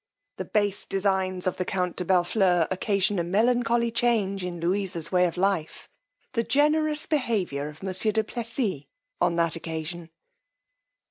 _The base designs of the count de Bellfleur occasion a melancholy change in Louisa's way of life; the generous behaviour of monsieur du Plessis on that occasion.